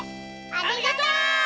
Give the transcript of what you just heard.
ありがとう！